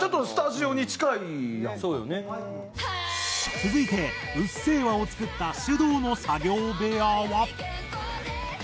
続いて『うっせぇわ』を作ったｓｙｕｄｏｕの作業部屋は。